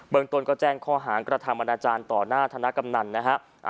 เบิร์งต้นก็แจ้งข้อหางกระทางบรรดาจารย์ต่อหน้าธนกำหนันนะฮะ